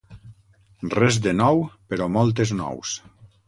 Res de nou, però moltes nous.